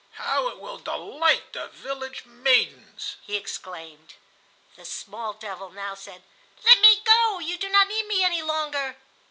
How it will delight the village maidens!" he exclaimed. The small devil now said: "Let me go; you do not need me any longer."